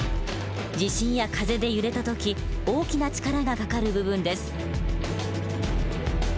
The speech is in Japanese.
地震や風で揺れた時大きな力がかかる部分です。